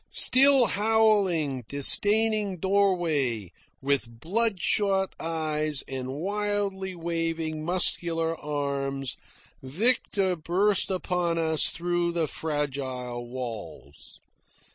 Still howling, disdaining doorways, with blood shot eyes and wildly waving muscular arms, Victor burst upon us through the fragile walls.